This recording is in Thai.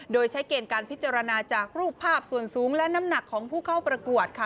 โดยใช้เกณฑ์การพิจารณาจากรูปภาพส่วนสูงและน้ำหนักของผู้เข้าประกวดค่ะ